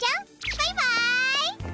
バイバイ！